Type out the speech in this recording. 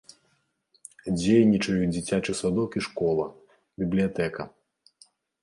Дзейнічаюць дзіцячы садок і школа, бібліятэка.